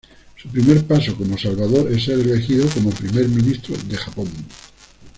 Su primer paso como Salvador es ser elegido primer ministro de Japón.